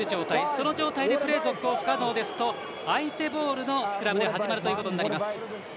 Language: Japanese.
その状態でプレー続行不可能ですと相手ボールのスクラムで始まるということになります。